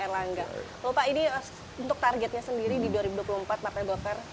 lupa ini untuk targetnya sendiri di dua ribu dua puluh empat partai golkar